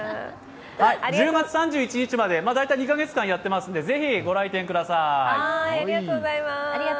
１０月３１日まで、大体２か月間やってますのでぜひご来店ください。